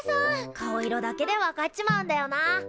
顔色だけで分かっちまうんだよな。